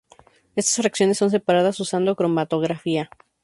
Estas fracciones son separadas usando cromatografía.